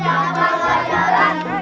jangan jangan sampai saling